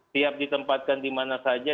siap ditempatkan dimana saja